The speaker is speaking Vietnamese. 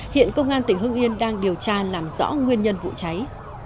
hiện công an tỉnh hưng yên đang điều tra làm rõ nguyên nhân vụ cháy